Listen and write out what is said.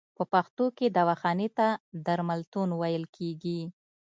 په پښتو کې دواخانې ته درملتون ویل کیږی.